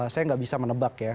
saya nggak bisa menebak ya